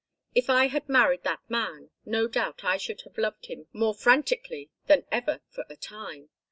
If I had married that man no doubt I should have loved him more frantically than ever for a time.